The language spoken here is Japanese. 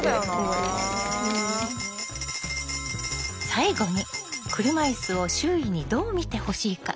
最後に車いすを周囲にどう見てほしいか？